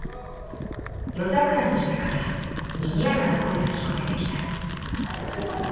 夜桜の下からにぎやかな声が聞こえてきた。